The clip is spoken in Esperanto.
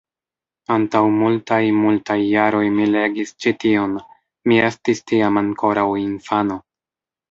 Antaŭ multaj, multaj jaroj mi legis ĉi tion, mi estis tiam ankoraŭ infano.